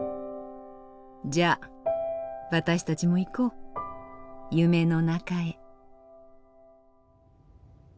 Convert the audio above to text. じゃあ私たちも行こう夢の中へ。